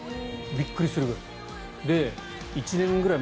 びっくりするくらい。